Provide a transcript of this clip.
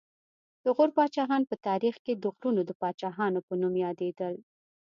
د غور پاچاهان په تاریخ کې د غرونو د پاچاهانو په نوم یادېدل